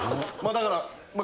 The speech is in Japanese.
だから。